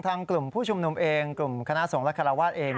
กลุ่มผู้ชุมนุมเองกลุ่มคณะสงฆ์และคาราวาสเอง